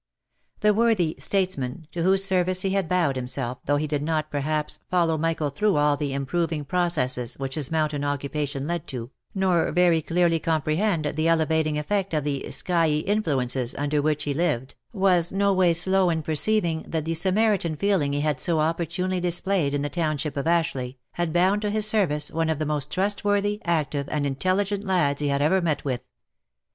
The worthy «* statesman" to whose service he had vowed himself, though he did not, perhaps, follow Michael through all the improving processes which his mountain occupation led to, nor very clearly com prehend the elevating effect of the " skyey influences" under which he lived, was no way slow in perceiving that the Samaritan feeling he had so opportunely displayed in the township of Ashleigh, had bound to his service one of the most trustworthy, active, and intelligent lads he had ever met with.